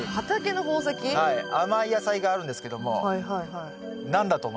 はい甘い野菜があるんですけども何だと思いますか？